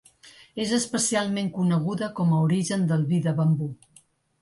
És especialment coneguda com a origen del vi de bambú.